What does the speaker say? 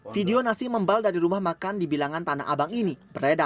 video nasi membal dari rumah makan dibilangan tanah abad